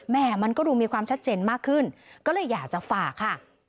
มันก็ดูมีความชัดเจนมากขึ้นก็เลยอยากจะฝากค่ะ